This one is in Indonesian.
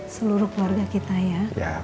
seluruh keluarga kita ya